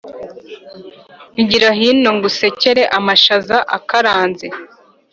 Igira hino ngusekere-Amashaza akaranze.